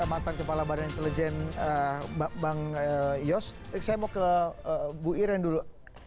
perspektif dari mantan kepala badan intelijen bang yose saya mau ke bu iren dulu